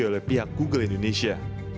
ketika dipercaya oleh google indonesia